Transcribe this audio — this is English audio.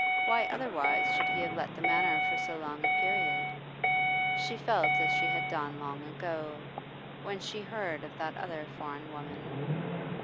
Why otherwise should he have let the Manor for so long a period? She felt as she had done long ago, when she heard of that other foreign woman.